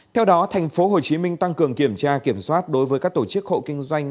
theo đó tp hcm tăng cường kiểm tra kiểm soát đối với các tổ chức hộ kinh doanh